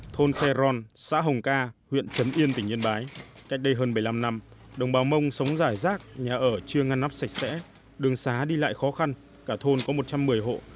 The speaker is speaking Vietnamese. thôn khe ron xã hồng ca huyện trấn yên tỉnh yên bái cách đây hơn bảy mươi năm năm đồng bào mông sống giải rác nhà ở chưa ngăn nắp sạch sẽ đường xá đi lại khó khăn cả thôn có một trăm một mươi hộ